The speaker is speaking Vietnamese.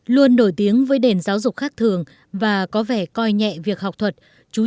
luôn nổi tiếng với đền giáo dục khác thường và có vẻ coi nhẹ việc học thuật chú trọng học thuật